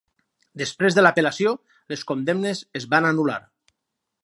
Després de l'apel·lació, les condemnes es van anul·lar.